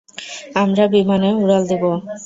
আমরা বিমানে উড়াল দেবো।